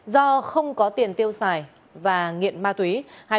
do không có tiền tiêu xài và nghiện ma túy